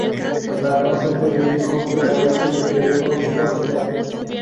Al no ser periódico, carece de período orbital.